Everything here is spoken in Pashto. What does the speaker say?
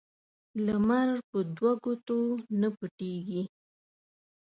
لمر په دوه ګوتو نه پټیږي